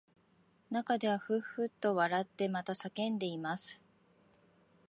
中ではふっふっと笑ってまた叫んでいます